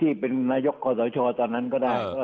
ที่เป็นนายกคอสชตอนนั้นก็ได้